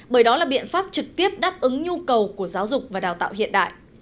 bởi đó là biện pháp trực tiếp đáp ứng nhu cầu của giáo dục và đào tạo hiện đại